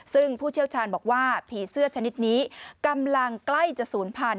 ซึ่งผู้เชี่ยวชาญบอกว่าผีเสื้อชนิดนี้กำลังใกล้จะศูนย์พันธุ